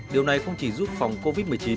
điều này không chỉ giúp phòng covid một mươi chín